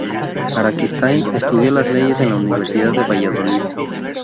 Araquistáin estudió leyes en la Universidad de Valladolid.